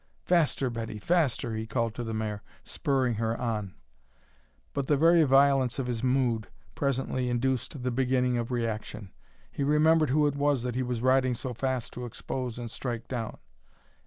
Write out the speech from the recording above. "Faster, Betty, faster!" he called to the mare, spurring her on. But the very violence of his mood presently induced the beginning of reaction. He remembered who it was that he was riding so fast to expose and strike down.